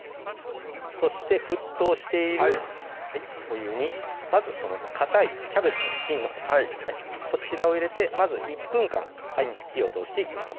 そして沸騰しているお湯にまずこのかたいキャベツの芯のほうこちらを入れてまず１分間火を通していきます